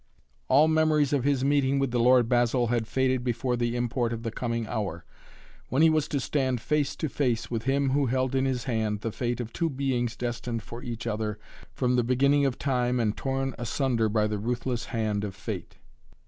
All memories of his meeting with the Lord Basil had faded before the import of the coming hour, when he was to stand face to face with him who held in his hand the fate of two beings destined for each other from the beginning of time and torn asunder by the ruthless hand of Fate.